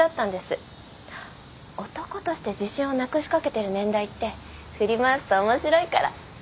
男として自信をなくしかけてる年代って振り回すと面白いから。